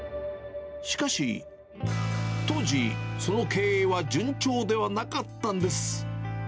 しかし、当時、その経営は順調ではなかったんです。